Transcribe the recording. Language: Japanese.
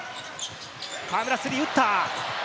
河村、スリー打った。